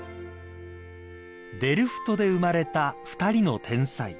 ［デルフトで生まれた２人の天才］